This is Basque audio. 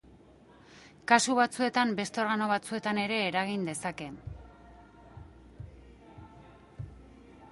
Kasu batzuetan, beste organo batzuetan ere eragin dezake.